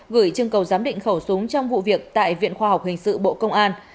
gửi chương cầu giám định khẩu súng trong vụ việc tại viện khoa học hình sự bộ công an